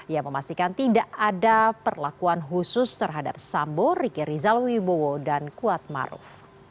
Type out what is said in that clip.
ia memastikan tidak ada perlakuan khusus terhadap sambo riki rizal wibowo dan kuat maruf